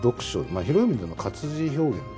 広い意味での活字表現ですよね。